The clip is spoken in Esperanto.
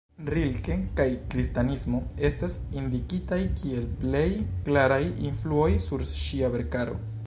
Rilke kaj kristanismo estas indikitaj kiel plej klaraj influoj sur ŝia verkaro.